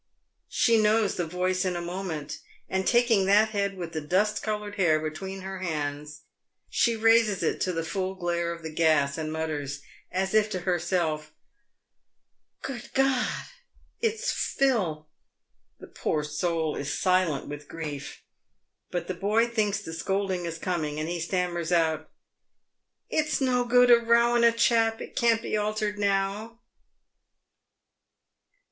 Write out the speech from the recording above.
She knows the voice in a moment, and, taking that head with the dust coloured hair between her hands, she raises it to the full glare of the gas, and mutters, as if to herself, " Good God ! it's Phil." The poor soul is silent with grief, but the boy thinks the scolding is coming, and he stammers out, " It's no good a rowing a chap, it can't be altered now."